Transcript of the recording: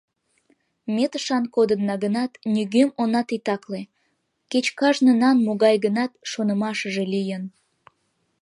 Ме тышан кодынна гынат, нигӧм она титакле, кеч кажнынан могай-гынат шонымашыже лийын.